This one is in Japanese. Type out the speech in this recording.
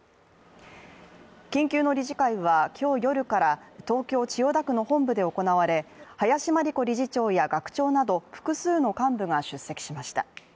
緊急の理事会は今日夜から東京・千代田区の本部で行われ林真理子理事長や学長など複数の幹部が出席しました。